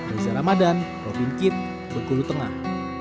rizal ramadan robin kitt bengkulu tengah